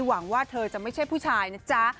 หวังว่าเธอจะไม่ใช่ผู้ชายนะจ๊ะ